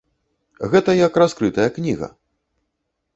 Гэта як раскрытая кніга.